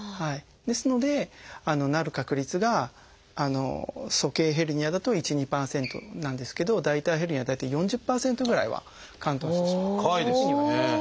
ですのでなる確率が鼠径ヘルニアだと１２％なんですけど大腿ヘルニアは大体４０％ぐらいは嵌頓してしまうというふうにいわれてます。